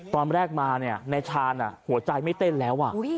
ตอนแรกมาเนี่ยในชาน่ะหัวใจไม่เต้นแล้วอ่ะ